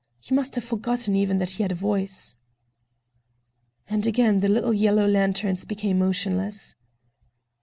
He must have forgotten even that he had a voice. And again the little yellow lanterns became motionless.